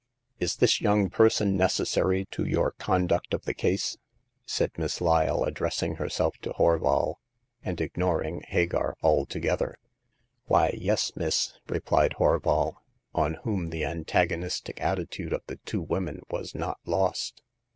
" Is this young person necessary to your con duct of the case ?'* said Miss Lyle, addressing Jberself to Horval, and ignoring Hagar altogether. The Second Customer. 71 '" Why, yes, miss,'* replied Horval, on whom the antagonistic attitude of the two women was not lost.